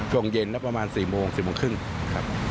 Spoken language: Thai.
ช่วงเย็นแล้วประมาณ๔โมง๔โมงครึ่งครับ